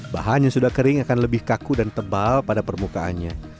bahan yang sudah kering akan lebih kaku dan tebal pada permukaannya